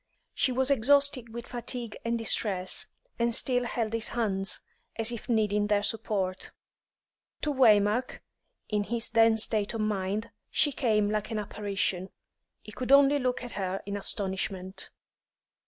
She was exhausted with fatigue and distress, and still held his hands, as if needing their support. To Waymark, in his then state of mind, she came like an apparition. He could only look at her in astonishment.